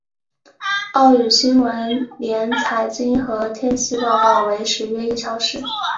粤语新闻连财经和天气报告为时约一小时。